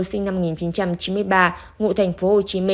sinh năm một nghìn chín trăm chín mươi ba ngụ tp hcm